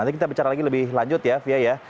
nanti kita bicara lagi lebih lanjut ya fia ya